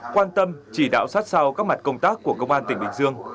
quan tâm chỉ đạo sát sao các mặt công tác của công an tỉnh bình dương